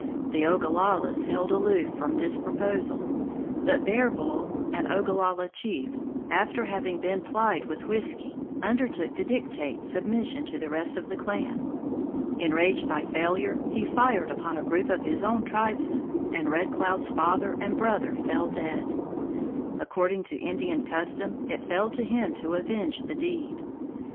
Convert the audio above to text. The Ogallalas held aloof from this proposal, but Bear Bull, an Ogallala chief, after having been plied with whisky, undertook to dictate submission to the rest of the clan. Enraged by failure, he fired upon a group of his own tribesmen, and Red Cloud's father and brother fell dead. According to Indian custom, it fell to him to avenge the deed.